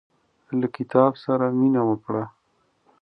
له کتاب سره مينه وکړه.